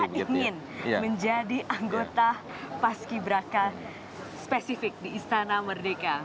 tidak ingin menjadi anggota paski beraka spesifik di istana merdeka